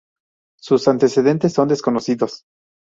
Sus antecedentes son desconocidos.